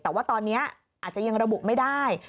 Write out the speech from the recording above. แต่ว่าตอนนี้อาจจะยังระบุไม่ได้